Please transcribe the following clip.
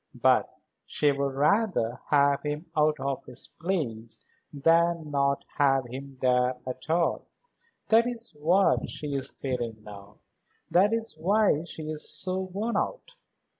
But she would rather have him out of his place than not have him there at all. That is what she is feeling now. That is why she is so worn out.